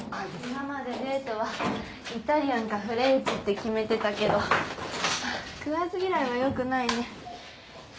今までデートはイタリアンかフレンチって決めてたけどはぁ食わず嫌いは良くないね。